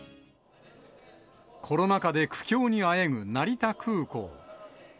コロナ禍で苦境にあえぐ成田空港。